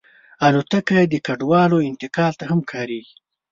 الوتکه د کډوالو انتقال ته هم کارېږي.